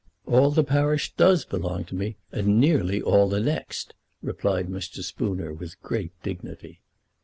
"All the parish does belong to me, and nearly all the next," replied Mr. Spooner, with great dignity.